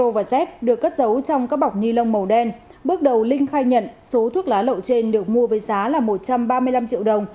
và z được cất dấu trong các bọc nhi lông màu đen bước đầu linh khai nhận số thuốc lá lậu trên được mua với giá là một trăm ba mươi năm triệu đồng